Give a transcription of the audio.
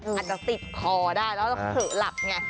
อาจจะติดคอได้แล้วเผลอหลับไง